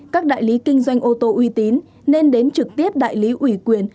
các đại lý kinh doanh ô tô uy tín nên đến trực tiếp đại lý ủy quyền